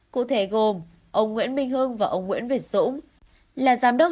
cụ thể gồm ông nguyễn minh hưng và ông nguyễn việt dũng là giám đốc